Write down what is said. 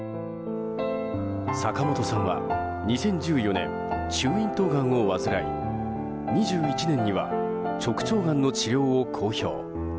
坂本さんは２０１４年中咽頭がんを患い２１年には直腸がんの治療を公表。